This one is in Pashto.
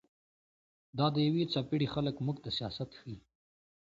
دا د يوې څپېړي خلق موږ ته سياست ښيي